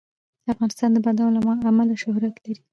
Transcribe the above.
افغانستان د بادام له امله شهرت لري.